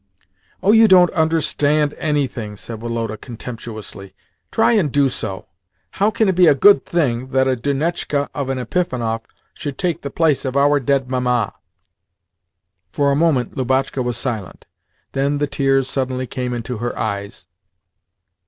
"Oh you don't understand anything," said Woloda contemptuously. "Try and do so. How can it be a good thing that a 'Dunetchka' of an Epifanov should take the place of our dead Mamma?" For a moment Lubotshka was silent. Then the tears suddenly came into her eyes.